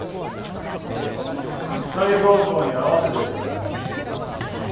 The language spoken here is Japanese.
西郷公に会わせていただきたい。